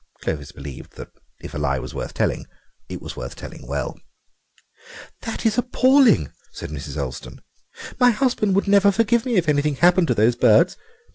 Clovis believed that if a lie was worth telling it was worth telling well. "This is appalling," said Mrs. Olston; "my husband would never forgive me if anything happened to those birds.